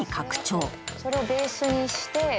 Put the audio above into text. それをベースにして。